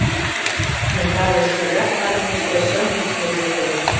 Микале шкежат армийыште шым ий служитлен.